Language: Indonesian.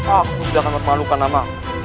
aku tidak akan memalukan nama